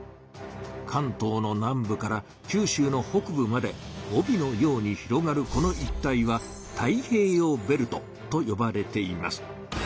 かんとうの南部からきゅうしゅうの北部まで帯のように広がるこの一帯は「太平洋ベルト」とよばれています。